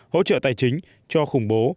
hỗ trợ tài chính cho khủng bố